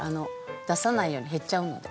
出さないように減っちゃうので。